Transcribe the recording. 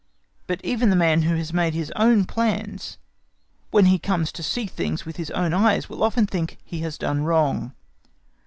But even the man who has made his own plans, when he comes to see things with his own eyes will often think he has done wrong.